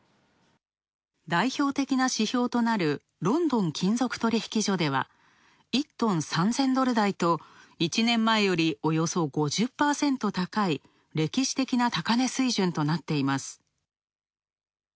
代表的な指標となるロンドン金属取引所では１トン３０００ドル台と１年前よりおよそ５０％高い、歴史的な高値水準となっています。